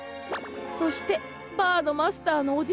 そしてバーのマスターのおじさま！